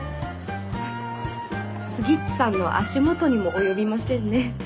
スギッチさんの足元にも及びませんね。